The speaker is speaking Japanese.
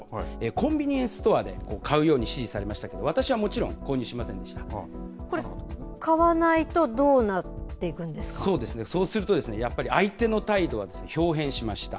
コンビニエンスストアで買うように指示されましたけど、私はもちこれ、買わないとどうなってそうですね、そうするとですね、やっぱり相手の態度はひょう変しました。